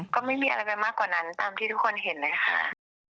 ก็ไม่มีอะไรไปมากกว่านั้นตามที่ทุกคนเห็นเลยค่ะ